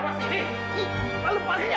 pak jalan bapak ini